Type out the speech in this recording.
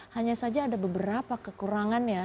hanya saja ada beberapa kekurangannya